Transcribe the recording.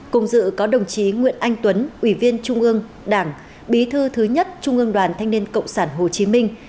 cùng dự có đồng chí nguyễn anh tuấn ủy viên trung ương đảng bí thư thứ nhất trung ương đoàn thanh niên cộng sản hồ chí minh